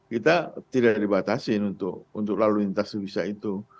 kita tidak dibatasi untuk lalu lintas devisa itu